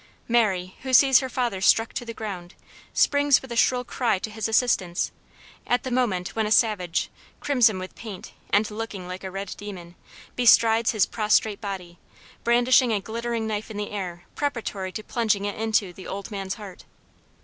Mary, who sees her father struck to the ground, springs with a shrill cry to his assistance at the moment when a savage, crimson with paint and looking like a red demon, bestrides his prostrate body, brandishing a glittering knife in the air preparatory to plunging it into the old man's heart.